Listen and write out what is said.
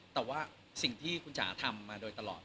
แต่ว่าสิ่งที่คุณจ๋าทำมาโดยตลอด